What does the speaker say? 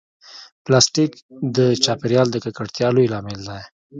پلاستيک د چاپېریال د ککړتیا لوی لامل دی.